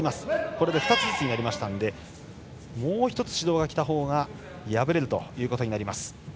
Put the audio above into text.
これで２つずつになりましたのでもう１つ指導が来たほうが敗れるということになります。